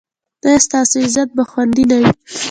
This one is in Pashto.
ایا ستاسو عزت به خوندي نه وي؟